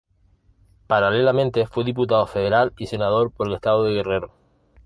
Paralelamente fue diputado federal y senador por el estado de Guerrero.